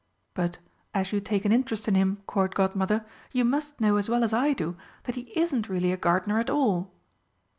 But, as you take an interest in him, Court Godmother, you must know as well as I do that he isn't really a gardener at all."